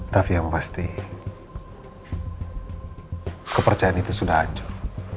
tapi yang pasti kepercayaan itu sudah hancur